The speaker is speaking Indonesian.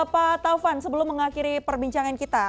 pak taufan sebelum mengakhiri perbincangan kita